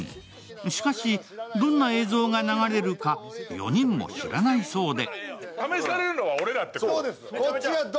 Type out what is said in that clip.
しかし、どんな映像が流れるか４人も知らないそうで。